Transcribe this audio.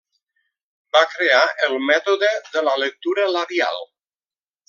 Va crear el mètode de la lectura labial.